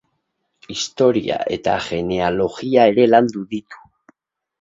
Historia eta Genealogia ere landu ditu.